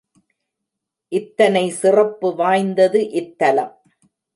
இத்தனை சிறப்பு வாய்ந்தது இத் தலம்.